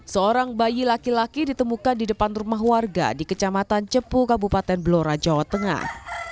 seorang bayi laki laki ditemukan di depan rumah warga di kecamatan cepu kabupaten blora jawa tengah